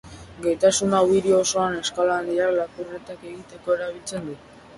Gaitasun hau hiri osoan eskala handian lapurretak egiteko erabiltzen du.